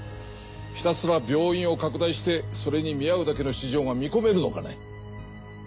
ひたすら病院を拡大してそれに見合うだけの市場が見込めるのかね？